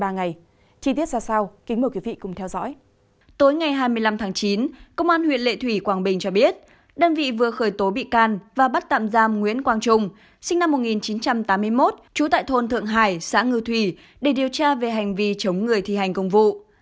tối ngày hai mươi năm tháng chín công an huyện lệ thủy quảng bình cho biết đơn vị vừa khởi tố bị can và bắt tạm giam nguyễn quang trung sinh năm một nghìn chín trăm tám mươi một trú tại thôn thượng hải xã ngư thủy để điều tra về hành vi chống người thi hành công vụ